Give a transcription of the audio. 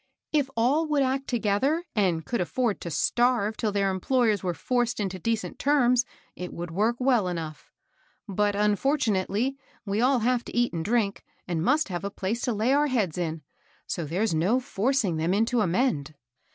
K all would act together, and could afford to starve till their employers were forced into de cent terms, it would work well enough. But, un fortunately, we all have to eat and drink, and must have a place to lay our heads in ; so there's no forcing them into a mend."